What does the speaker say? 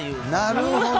なるほど。